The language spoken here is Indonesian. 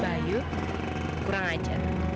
bayu kurang ajar